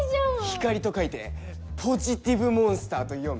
「ひかり」と書いてポジティブモンスターと読む。